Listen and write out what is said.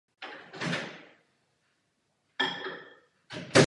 V tomto městě prožil zbytek života.